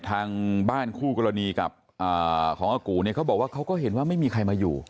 ทางบ้านคู่กรณีกับของอากูเนี่ยเขาบอกว่าเขาก็เห็นว่าไม่มีใครมาอยู่